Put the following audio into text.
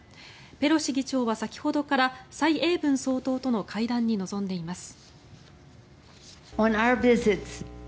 ペロシ議長は先ほどから蔡英文総統との会談に臨んでいます。